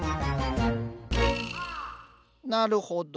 なるほど。